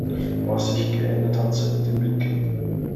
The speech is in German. Was sich geändert hat, sind die Mittel.